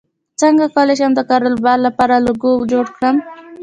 څنګه کولی شم د کاروبار لپاره لوګو جوړ کړم